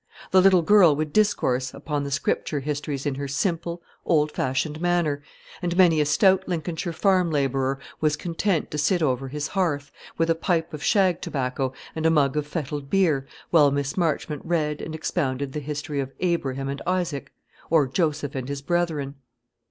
The little girl would discourse upon the Scripture histories in her simple, old fashioned manner; and many a stout Lincolnshire farm labourer was content to sit over his hearth, with a pipe of shag tobacco and a mug of fettled beer, while Miss Marchmont read and expounded the history of Abraham and Isaac, or Joseph and his brethren.